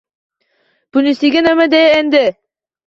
Bunisiga nima dey endi